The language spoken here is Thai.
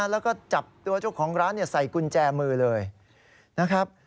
แล้วก็จับตัวเจ้าของร้านใส่กุญแจมือเลยนะครับ